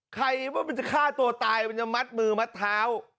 ใครว่ามันจะฆ่าตัวตายมันจะมัดมือมัดเท้า